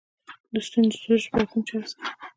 د ستوني د سوزش لپاره کوم چای وڅښم؟